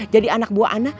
jadi anak buah ana